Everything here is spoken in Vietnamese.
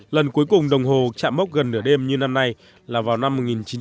lần cuối cùng đồng hồ chạm mốc gần nửa đêm như năm nay là vào năm một nghìn chín trăm bảy mươi